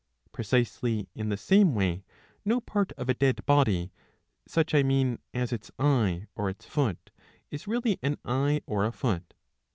Precisely in the same way no part of a dead body, such I mean as its eye or its foot, is really an eye or a foot.